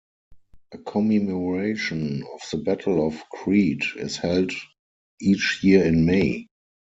A commemoration of the Battle of Crete is held each year in May.